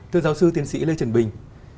thưa giáo sư tiến sĩ lê trần bình